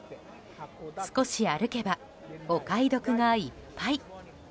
少し歩けばお買い得がいっぱい。